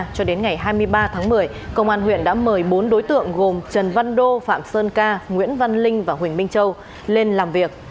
cho đến ngày hai mươi ba tháng một mươi công an huyện đã mời bốn đối tượng gồm trần văn đô phạm sơn ca nguyễn văn linh và huỳnh minh châu lên làm việc